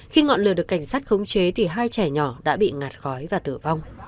khi ngọn lửa được cảnh sát khống chế thì hai trẻ nhỏ đã bị ngạt khói và tử vong